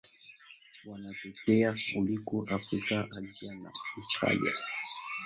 Wanatokea Ulaya, Afrika, Asia na Australia.